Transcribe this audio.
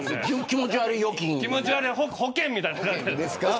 気持ち悪い保険みたいなもんですから。